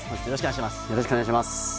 よろしくお願いします。